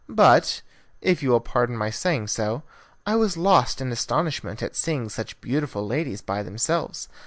But, if you will pardon my saying so, I was lost in astonishment at seeing such beautiful ladies by themselves.